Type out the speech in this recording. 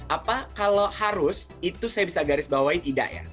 apa kalau harus itu saya bisa garis bawahi tidak ya